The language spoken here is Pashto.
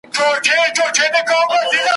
مږندي مي ښایستې یوه تر بلي ګړندۍ دي ,